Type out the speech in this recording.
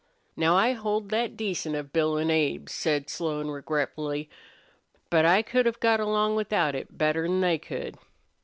"Now I hold that decent of Bill an' Abe," said Slone, regretfully. "But I could have got along without it better 'n they could."